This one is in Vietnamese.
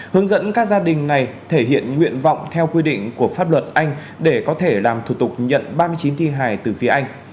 hướng dẫn các gia đình này thể hiện nguyện vọng theo quy định của pháp luật anh để có thể làm thủ tục nhận ba mươi chín thi hài từ phía anh